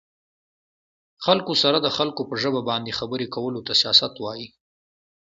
خلکو سره د خلکو په ژبه باندې خبرې کولو ته سياست وايه